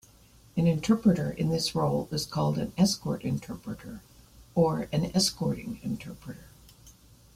An interpreter in this role is called an "escort interpreter" or an "escorting interpreter".